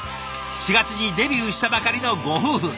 ４月にデビューしたばかりのご夫婦。